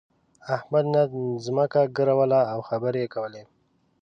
احمد نن ځمکه ګروله او خبرې يې کولې.